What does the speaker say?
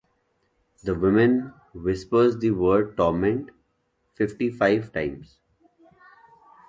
The woman whispers the word "torment" fifty-five times.